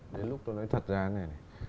đến lúc tôi nói thật ra này này